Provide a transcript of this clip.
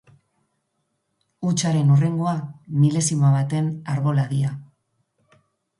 Hutsaren hurrengoa, milesima baten arboladia.